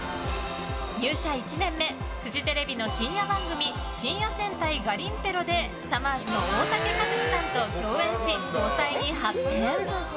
入社１年目フジテレビの深夜番組「深夜戦隊ガリンペロ」でさまぁずの大竹一樹さんと共演し、交際に発展。